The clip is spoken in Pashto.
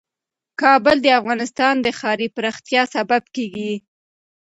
کابل د افغانستان د ښاري پراختیا سبب کېږي.